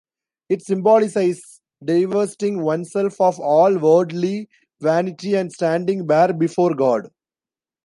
It symbolises divesting oneself of all worldly vanity and standing bare before God.